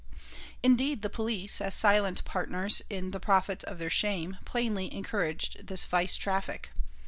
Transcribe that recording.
Indeed, the police, as silent partners in the profits of their shame, plainly encouraged this vice traffic.